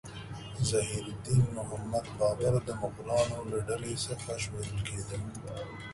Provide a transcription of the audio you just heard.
ظهیر الدین محمد بابر د مغولانو له ډلې څخه شمیرل کېده.